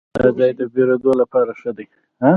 دا ځای د پیرود لپاره ښه دی.